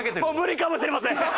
もう無理かもしれません。